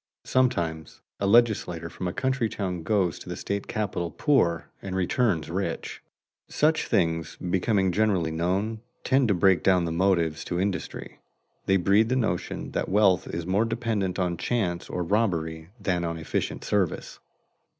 Sometimes a legislator from a country town goes to the state capital poor and returns rich. Such things becoming generally known tend to break down the motives to industry. They breed the notion that wealth is more dependent on chance or jobbery than on efficient service.